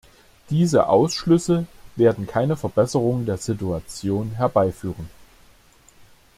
Diese Ausschlüsse werden keine Verbesserung der Situation herbeiführen.